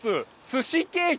寿司ケーキ？